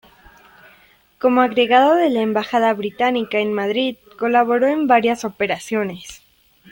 Como agregado de la embajada británica en Madrid colaboró en varias operaciones.